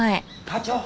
課長。